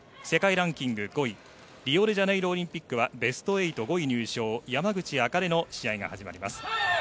ランキング５位リオデジャネイロオリンピックはベスト８、５位入賞山口茜の試合が始まります。